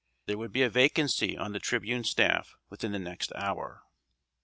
There would be a vacancy on The Tribune staff within the next hour."